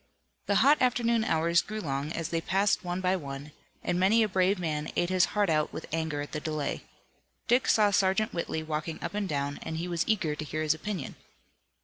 The hot afternoon hours grew long as they passed one by one, and many a brave man ate his heart out with anger at the delay. Dick saw Sergeant Whitley walking up and down, and he was eager to hear his opinion.